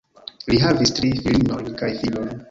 Li havis tri filinojn kaj filon.